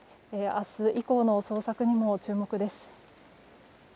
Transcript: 明日以降の捜索にも注目です。